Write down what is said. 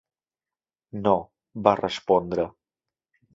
"No", va respondre.